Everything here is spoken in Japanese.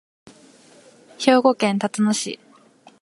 兵庫県たつの市